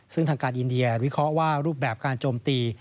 ซึ่งทางการอินเดียวิเคราะห์ว่ารูปแบบการโจมตี